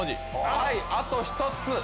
あと１つ！